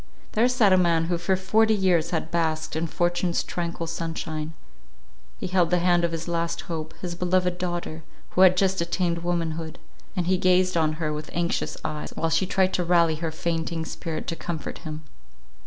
There sat a man who for forty years had basked in fortune's tranquil sunshine; he held the hand of his last hope, his beloved daughter, who had just attained womanhood; and he gazed on her with anxious eyes, while she tried to rally her fainting spirit to comfort him.